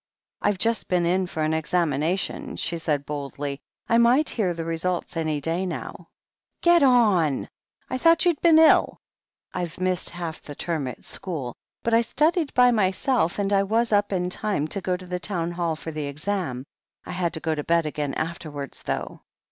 "I've just been in for an examination," she said boldly. "I might hear the result any day now," "Get on ! I thought you'd been ill," "I've missed half the term at school, but I studied by myself, and I was up in time to go to the Town Hall for the exam. I had to go to bed again after wards, though."